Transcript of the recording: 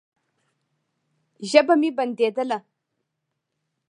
ژبه مې بنديدله.